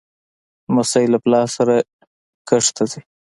لمسی له پلار سره کښت ته ځي.